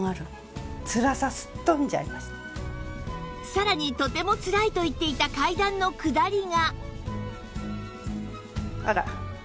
さらにとてもつらいと言っていた階段の下りが